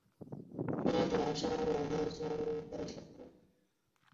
津田山站南武线的铁路车站。